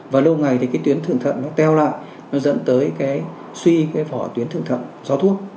và lâu ngày thì cái tuyến thượng thận nó teo lại nó dẫn tới cái suy cái vỏ tuyến thượng thận do thuốc